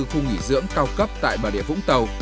khu nghỉ dưỡng cao cấp tại bà địa vũng tàu